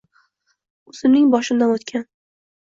O‘zimning boshimdan o‘tgan.